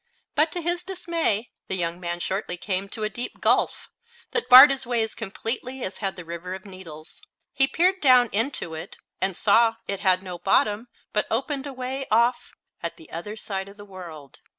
But, to his dismay, the young man shortly came to a deep gulf, that barred his way as completely as had the River of Needles. He peered down into it and saw it had no bottom, but opened away off at the other side of the world.